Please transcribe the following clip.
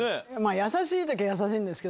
優しい時は優しいんですけど。